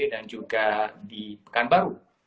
dan juga di pekanbaru